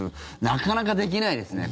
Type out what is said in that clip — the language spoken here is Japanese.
なかなかできないですね。